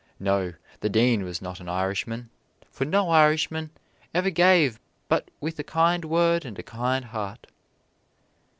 No; the Dean was not an Irishman, for no Irishman ever gave but with a kind word and a kind heart."